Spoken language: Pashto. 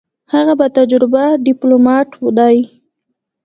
هغه با تجربه ډیپلوماټ دی.